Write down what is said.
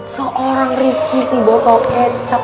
seorang riki si botol kecap